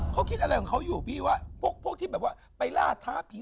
เขาคิดอะไรของเขาอยู่พี่ว่าพวกที่แบบว่าไปล่าท้าผี